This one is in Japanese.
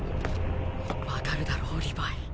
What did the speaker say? わかるだろリヴァイ。